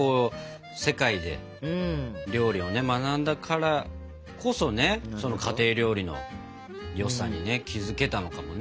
世界で料理を学んだからこそね家庭料理の良さにね気づけたのかもね。